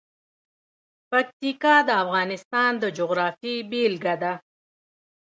پکتیکا د افغانستان د جغرافیې بېلګه ده.